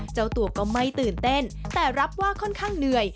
เจ้าตัวก็ไม่ตื่นเต้นแต่รับว่าค่อนข้างเหนื่อย